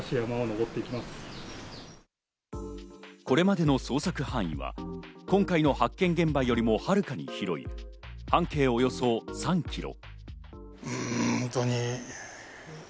これまでの捜索範囲は今回の発見現場よりもはるかに広い半径およそ３キロ。